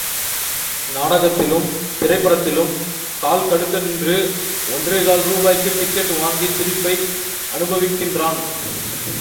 நாடகத்திலும் திரைப்படத்திலும் கால்கடுக்க நின்று ஒன்றேகால் ரூபாய்க்கு டிக்கெட் வாங்கிச் சிரிப்பை அனுபவிக்கிறான்.